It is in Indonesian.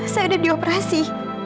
saya udah di operasi